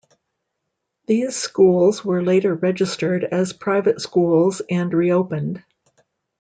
These schools were later registered as private schools and reopened.